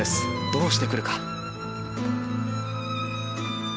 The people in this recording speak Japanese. どうしてくるか。